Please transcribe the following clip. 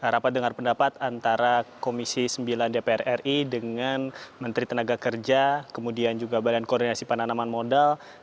rapat dengar pendapat antara komisi sembilan dpr ri dengan menteri tenaga kerja kemudian juga badan koordinasi penanaman modal